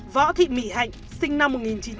võ thị mỹ hạnh sinh năm một nghìn chín trăm chín mươi bảy